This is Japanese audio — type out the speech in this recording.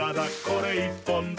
これ１本で」